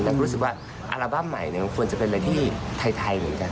แล้วก็รู้สึกว่าอัลบั้มใหม่มันควรจะเป็นอะไรที่ไทยเหมือนกัน